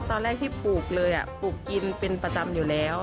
ตอนแรกที่ปลูกเลยปลูกกินเป็นประจำอยู่แล้ว